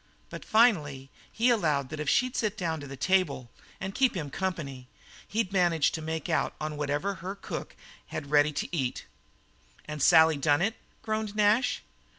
But finally he allowed that if she'd sit down to the table and keep him company he'd manage to make out on whatever her cook had ready to eat." "And Sally done it?" groaned Nash.